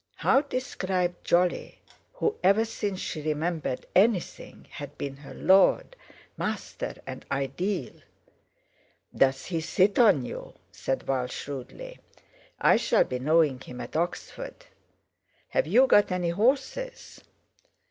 How describe Jolly, who, ever since she remembered anything, had been her lord, master, and ideal? "Does he sit on you?" said Val shrewdly. "I shall be knowing him at Oxford. Have you got any horses?"